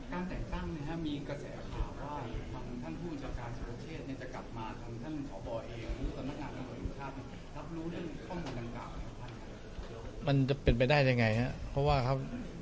มีใกล้แสข่าวว่าชะพาคนของเชื้อเองจะกลับมาทำทั้งชาวบ่าอัย